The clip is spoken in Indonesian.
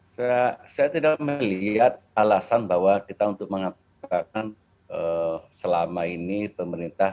saya tidak melihat alasan bahwa kita untuk mengatakan selama ini pemerintah